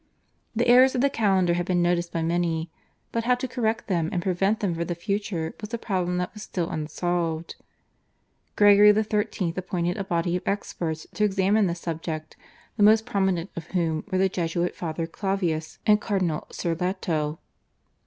The errors of the calendar had been noticed by many, but how to correct them and prevent them for the future was the problem that was still unsolved. Gregory XIII. appointed a body of experts to examine the subject, the most prominent of whom were the Jesuit Father Clavius and Cardinal Sirleto.